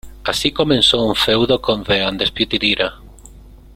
Así comenzó un feudo con The Undisputed Era.